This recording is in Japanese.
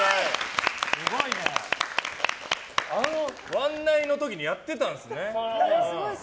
「ワンナイ」の時にやってたんですね。